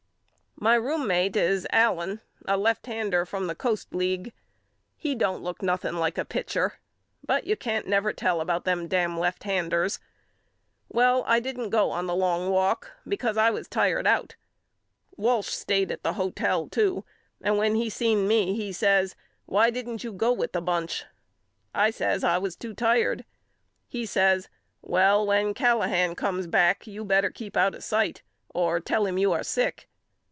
My roommate is Allen a lefthander from the Coast League. He don't look nothing like a pitcher but you can't never tell about them dam left handers. Well I didn't go on the long walk because I was tired out. Walsh stayed at the A BUSKER'S LETTERS HOME 17 hotel too and when he seen me he says Why didn't you go with the bunch? I says I was too tired. He says Well when Callahan comes back you bet ter keep out of sight or tell him you are sick.